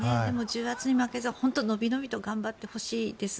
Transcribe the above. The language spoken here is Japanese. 重圧に負けずのびのびと頑張ってほしいです。